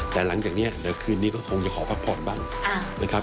แต่หลังจากนี้เดี๋ยวคืนนี้ก็คงจะขอพักผ่อนบ้างนะครับ